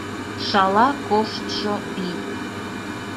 — Шала коштшо пий!